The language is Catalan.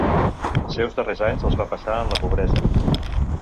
Els seus darrers anys els va passar en la pobresa.